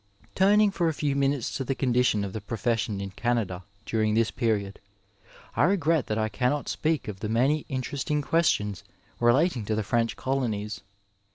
Turning for a few minutes to the condition of the pro&a^ sion in Ganada during this period, I regret that I cannot speak of the many interesting questions relating to the French colonies.